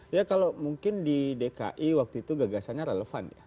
ya kalau mungkin di dki waktu itu gagasannya relevan ya